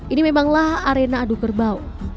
ini memanglah arena adu kerbau